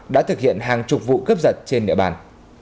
đã thực hiện hàng chục vụ cướp giật trên địa bàn